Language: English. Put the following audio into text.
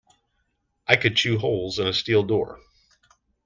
I could chew holes in a steel door.